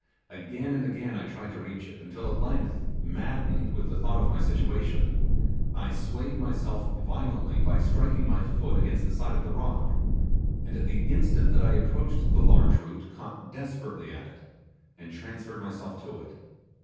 Again and again I tried to reach it, until at length, maddened with the thought of my situation, I swayed myself violently by striking my foot against the side of the rock, and at the instant that I approached the large root caught desperately at it, and transferred myself to it.